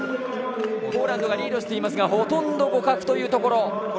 ポーランドがリードしていますがほとんど互角というところ。